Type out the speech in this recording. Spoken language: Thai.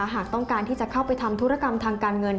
หากต้องการที่จะเข้าไปทำธุรกรรมทางการเงิน